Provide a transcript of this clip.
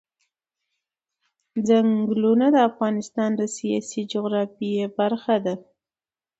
چنګلونه د افغانستان د سیاسي جغرافیه برخه ده.